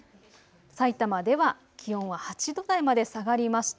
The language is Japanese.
さいたまでは気温は８度台まで下がりました。